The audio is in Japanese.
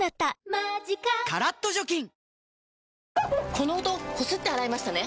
この音こすって洗いましたね？